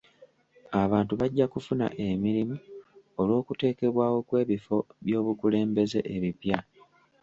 Abantu bajja kufuna emirimu olw'okuteekebwawo kw'ebifo by'obukulembeze ebipya.